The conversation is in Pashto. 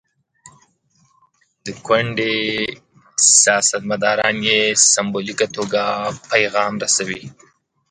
د کونډې سیاستمداران یې سمبولیکه توګه پیغام رسوي.